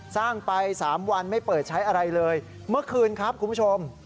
สร้างไป๓วันไม่เปิดใช้อะไรเลยเมื่อคืนครับคุณผู้ชม